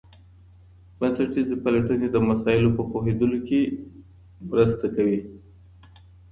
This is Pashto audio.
بنسټیزي پلټني د مسایلو په پوهیدلو کي مرسته کوي.